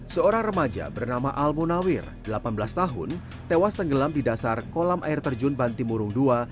seorang remaja bernama al munawir delapan belas tahun tewas tenggelam di dasar kolam air terjun bantimurung ii